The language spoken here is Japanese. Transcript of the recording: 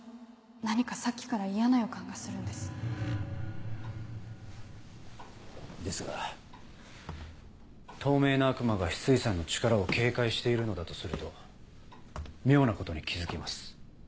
何かさっきから嫌な予感がするんですですが透明な悪魔が翡翠さんの力を警戒しているのだとすると妙なことに気付きます。